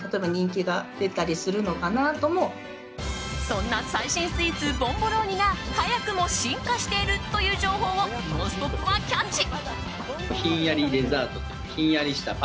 そんな最新スイーツボンボローニが早くも進化しているという情報を「ノンストップ！」はキャッチ。